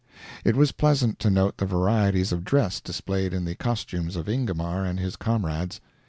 It was pleasant to note the varieties of dress displayed in the costumes of Ingomar and his comrades.